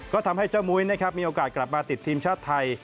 ก็ทำให้เจ้ามุ้ยนะครับมีโอกาสกลับมาติดทีมชาติไทย